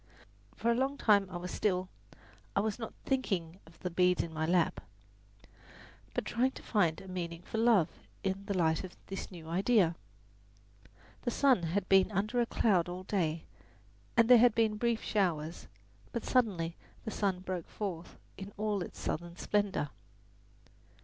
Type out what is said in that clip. For a long time I was still I was not thinking of the beads in my lap, but trying to find a meaning for "love" in the light of this new idea. The sun had been under a cloud all day, and there had been brief showers; but suddenly the sun broke forth in all its southern splendour.